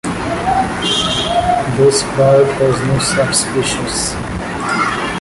This bird has no subspecies.